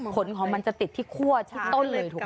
ผลของมันจะติดที่คั่วที่ต้นเลยถูกไหม